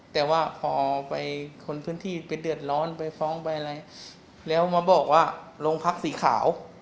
แต่ว่าพอไปคนพื้นที่ไปเดือดร้อนไปฟ้องไปอะไรแล้วมาบอกว่าโรงพักสีขาว